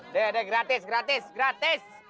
udah udah gratis gratis gratis